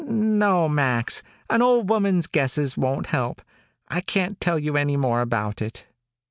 "No, Max, an old woman's guesses won't help. I can't tell you any more about it."